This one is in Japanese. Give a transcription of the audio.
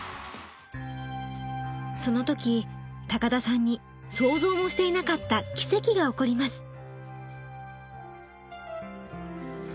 その時田さんに想像もしていなかった奇跡が起こります。